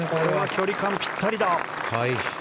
距離感、ぴったりだ！